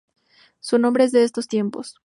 Su nombre es de estos tiempos.